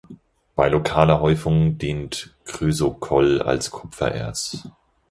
Bei lokaler Häufung dient Chrysokoll als Kupfererz.